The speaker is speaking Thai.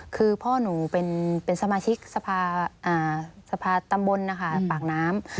คือพ่อหนูเป็นสมาชิกสภาตำบลนะคะปากน้ำ